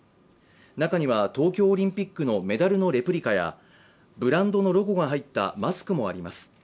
中には東京オリンピックのメダルのレプリカやブランドのロゴが入ったマスクもあります。